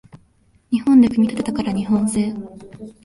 日本で組み立てたから日本製